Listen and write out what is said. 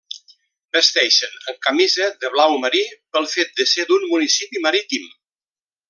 Vesteixen amb camisa de blau marí, pel fet de ser d'un municipi marítim.